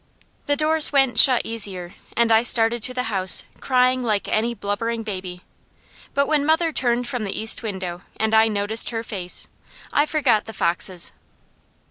The doors went shut easier, and I started to the house crying like any blubbering baby; but when mother turned from the east window, and I noticed her face, I forgot the foxes.